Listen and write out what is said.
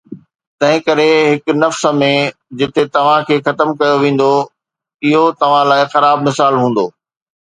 تنهن ڪري هڪ نفس ۾، جتي توهان کي ختم ڪيو ويندو، اهو توهان لاء خراب مثال هوندو